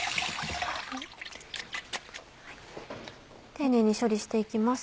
丁寧に処理して行きます。